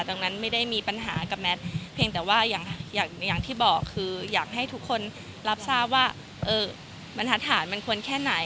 ดังนั้นไม่ได้มีปัญหากับแมทเพียงแต่ว่าอย่างที่บอกคืออยากให้ทุกคนรับทราบว่า